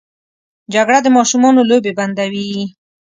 جګړه د ماشومانو لوبې بندوي